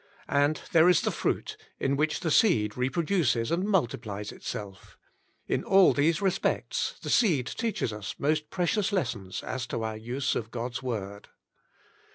And there is the fruit, in which the seed repro duces and multiplies itself. In all these respects, the seed teaches us most precious lessons as to our use of God's Word.